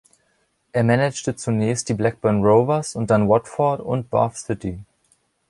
Er managte zunächst die Blackburn Rovers und dann Watford und Bath City.